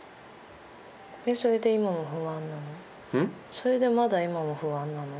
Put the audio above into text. それでまだ今も不安なの？